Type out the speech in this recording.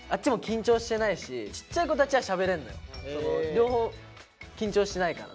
両方緊張してないから。